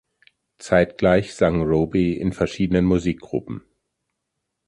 Zeitgleich sang Robey in verschiedenen Musikgruppen.